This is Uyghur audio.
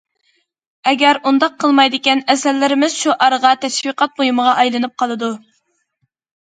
ئەگەر ئۇنداق قىلمايدىكەن ئەسەرلىرىمىز شوئارغا، تەشۋىقات بۇيۇمىغا ئايلىنىپ قالىدۇ.